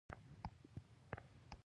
د افغانستان سیندونه هم تاریخي دي.